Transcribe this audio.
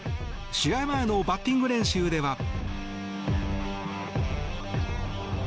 試合前のバッティング練習では。